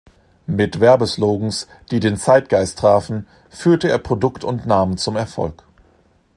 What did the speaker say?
Mit Werbeslogans, die den Zeitgeist trafen, führte er Produkt und Namen zum Erfolg.